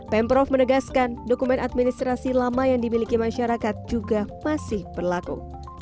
pemprov menegaskan dokumen administrasi lama yang dimiliki masyarakat juga masih berlaku